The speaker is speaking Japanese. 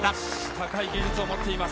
高い技術を持っています。